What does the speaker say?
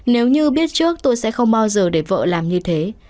nếu như biết trước tôi sẽ không bao giờ để vợ làm như thế